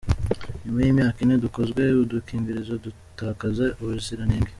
Nyuma y’Imyaka ine dukozwe, udukingirizo dutakaza ubuziranenge.